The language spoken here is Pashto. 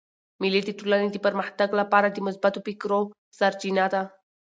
مېلې د ټولني د پرمختګ له پاره د مثبتو فکرو سرچینه ده.